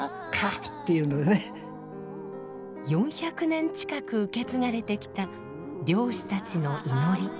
４００年近く受け継がれてきた漁師たちの祈り。